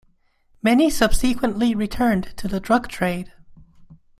Many subsequently returned to the drug trade.